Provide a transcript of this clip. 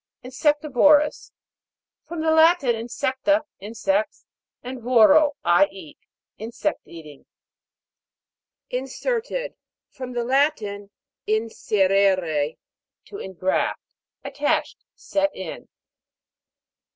INSECTI'VOROUS. From the Latin, insecta, insects, and voro, I eat. Insect eating. INSERT'ED. From the Latin, insere're, to engraft. Attached ; set in.